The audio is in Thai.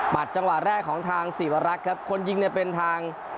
จังหวะแรกของทางศิวรักษ์ครับคนยิงเนี่ยเป็นทาง